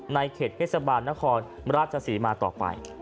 ในเขตเทศบาลนครราชศรีมาต่อไป